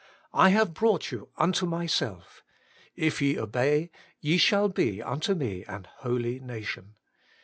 ' I have brought you unto my self ; if ye obey, ye shall be unto me an holy nation.'